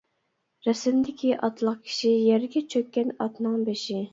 رەسىمدىكى ئاتلىق كىشى، يەرگە چۆككەن ئاتنىڭ بېشى.